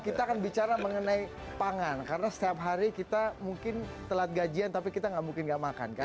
kita akan bicara mengenai pangan karena setiap hari kita mungkin telat gajian tapi kita nggak mungkin nggak makan kan